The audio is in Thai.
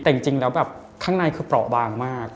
แต่จริงแล้วแบบข้างในคือเปราะบางมาก